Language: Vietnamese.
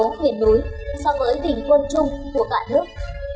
miền núi so với bình quân chung của cả nước